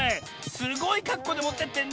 すごいかっこうでもってってんね。